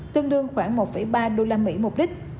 tương đương khoảng một ba đô la mỹ một lít